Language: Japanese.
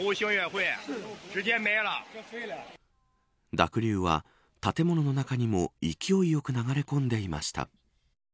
濁流は建物の中にも勢いよく流れ込んでいました。